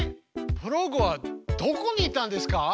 プログはどこに行ったんですか？